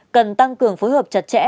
cần tăng cường phối hợp chặt chẽ